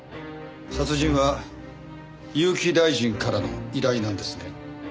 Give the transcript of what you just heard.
殺人は結城大臣からの依頼なんですね？